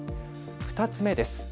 ２つ目です。